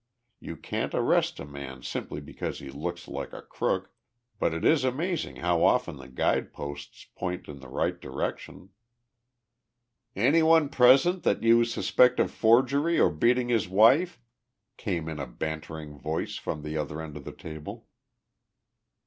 You can't arrest a man simply because he looks like a crook, but it is amazing how often the guideposts point in the right direction." "Anyone present that you suspect of forgery or beating his wife?" came in a bantering voice from the other end of the table.